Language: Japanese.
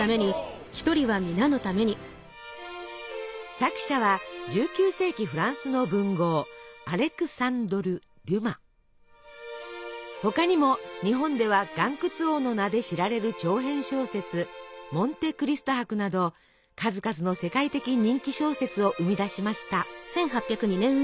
作者は１９世紀フランスの文豪他にも日本では「巌窟王」の名で知られる長編小説「モンテ・クリスト伯」など数々の世界的人気小説を生み出しました。